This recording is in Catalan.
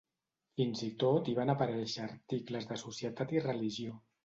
Fins i tot hi van aparèixer articles de societat i religió.